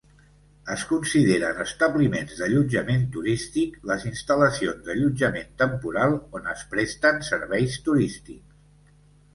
Es consideren establiments d'allotjament turístic les instal·lacions d'allotjament temporal on es presten serveis turístics.